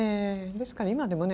ですから今でもね